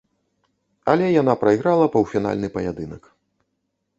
Але яна прайграла паўфінальны паядынак.